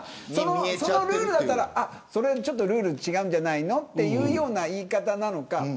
そのルールだったら、ちょっとルールが違うんじゃないのというような言い方なのか。